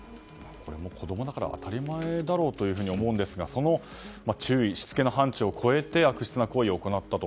子供だから当たり前だろうというふうに思うんですがその注意、しつけの範ちゅうを超えて悪質な行為を行ったと。